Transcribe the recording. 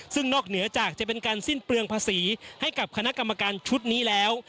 ซึ่งนอกเหนือจากจะเป็นการสิ้นเปลืองภาษีให้กับคณะกรรมการชุดนี้แล้ว